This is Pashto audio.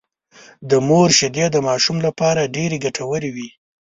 د مور شېدې د ماشوم لپاره ډېرې ګټورې وي